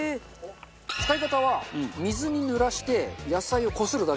使い方は水にぬらして野菜をこするだけ。